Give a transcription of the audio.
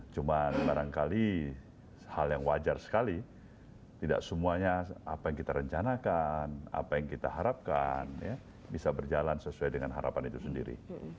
cuma barangkali hal yang wajar sekali tidak semuanya apa yang kita rencanakan apa yang kita harapkan bisa berjalan sesuai dengan harapan itu sendiri